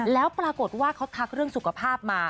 แล้วปรากฏว่าเขาทักเรื่องสุขภาพมา